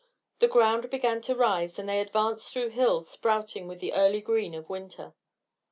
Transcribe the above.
The ground began to rise, and they advanced through hills sprouting with the early green of winter.